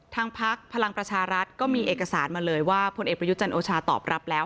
พักพลังประชารัฐก็มีเอกสารมาเลยว่าพลเอกประยุจันทร์โอชาตอบรับแล้ว